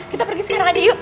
kita pergi sekarang aja yuk